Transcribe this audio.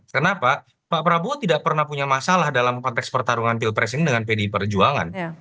kenapa pak prabowo tidak pernah punya masalah dalam konteks pertarungan pilpres ini dengan pdi perjuangan